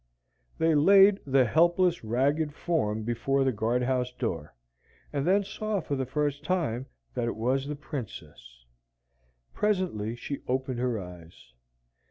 They laid the helpless, ragged form before the guard house door, and then saw for the first time that it was the Princess. Presently she opened her eyes.